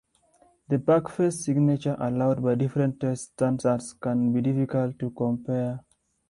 The backface signature allowed by different test standards can be difficult to compare.